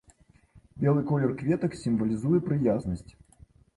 Белы колер кветак сімвалізуе прыязнасць.